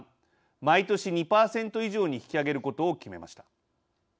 毎年２％以上に引き上げることを決めました。